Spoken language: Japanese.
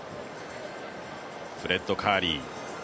フレッド・カーリー。